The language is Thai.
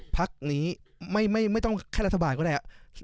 ภาคนี้ไม่ต้องแค่ฐขรากก็ได้